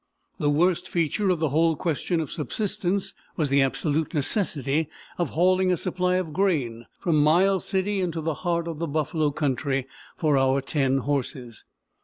The worst feature of the whole question of subsistence was the absolute necessity of hauling a supply of grain from Miles City into the heart of the buffalo country for our ten horses.